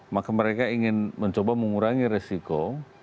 maka mereka ingin mencoba mengurangi resiko